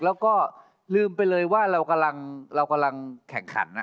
แล้วก็ลืมไปเลยว่าเรากำลังแข่งขัน